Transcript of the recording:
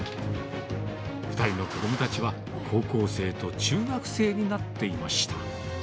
２人の子どもたちは高校生と中学生になっていました。